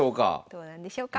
どうなんでしょうか。